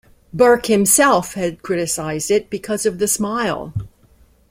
Burke himself had criticized it because of the smile.